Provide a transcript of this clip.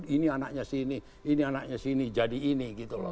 ini anaknya sini ini anaknya sini jadi ini gitu loh